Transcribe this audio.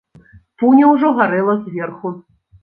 Пуня ўжо гарэла зверху.